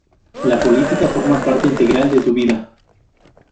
La política forma parte integral de su vida.